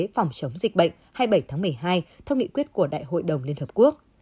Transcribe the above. phòng chống dịch bệnh hai mươi bảy tháng một mươi hai theo nghị quyết của đại hội đồng liên hợp quốc